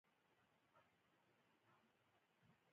کوتره موسکا ښيي.